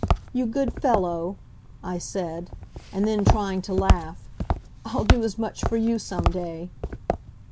"You good fellow!" I said, and then, trying to laugh: "I'll do as much for you some day."